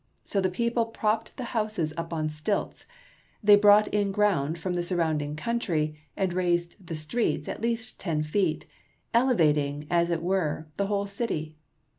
So the people propped the houses up on stilts ; they brought in ground from the surrounding country, and raised the streets at least ten feet, elevating, as it were, the whole city.